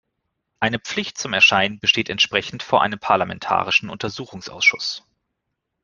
Eine Pflicht zum Erscheinen besteht entsprechend vor einem parlamentarischen Untersuchungsausschuss.